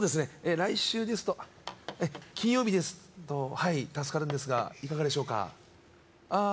来週ですと金曜日ですとはい助かるんですがいかがでしょうかああ